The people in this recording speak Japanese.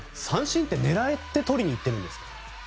三振って狙ってとりにいってるんですか？